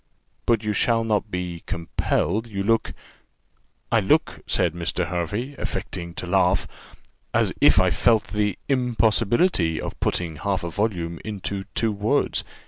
But you shall not be compelled. You look " "I look," said Mr. Hervey, affecting to laugh, "as if I felt the impossibility of putting half a volume into two words.